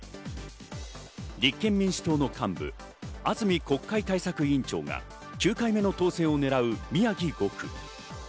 立憲民主党の幹部、安住国対委員長委員長が９回目の当選をねらう宮城５区。